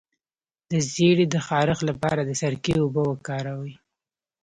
د زیړي د خارښ لپاره د سرکې اوبه وکاروئ